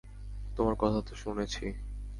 তোমার কথা তো শুনেছি।